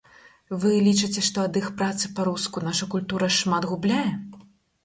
Вы лічыце, што ад іх працы па-руску наша культура шмат губляе?